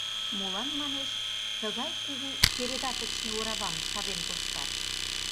Молан, манеш, тыгай кугу передаточный оравам тавен коштат.